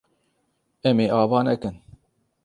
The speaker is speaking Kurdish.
Em ê ava nekin.